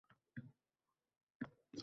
— Yo’q, ko’rmaganman…